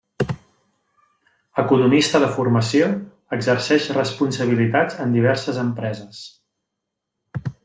Economista de formació, exerceix responsabilitats en diverses empreses.